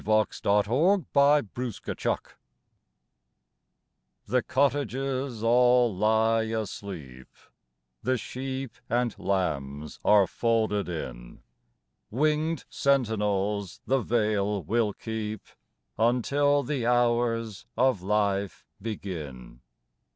18 FLOWER OF YOUTH THE WATCHERS THE cottages all lie asleep ; The sheep and lambs are folded in ; Winged sentinels the vale will keep Until the hours of life begin.